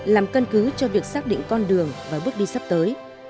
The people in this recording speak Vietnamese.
làm căn cứ cho việc xác định con đường và bước đi sắp tới